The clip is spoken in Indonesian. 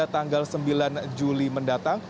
tanggal sembilan juli mendatang